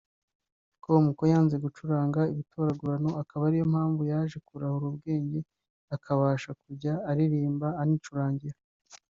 com ko yanze gucuranga ibitoragurano akaba ariyo mpamvu yaje kurahura ubwenge akazabasha kujya aririmba anicurangira